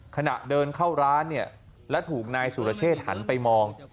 ขณะเดินเข้าร้านเนี่ยและถูกนายสุรเชษหันไปมอง